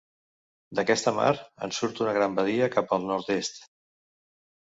D'aquesta mar, en surt una gran badia cap al nord-est.